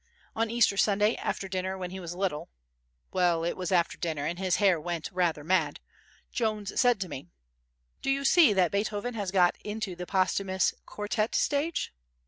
On Easter Sunday, after dinner, when he was a little—well, it was after dinner and his hair went rather mad—Jones said to me: "Do you see that Beethoven has got into the posthumous quartet stage?"